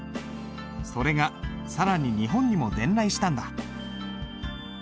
それが更に日本にも伝来したんだ。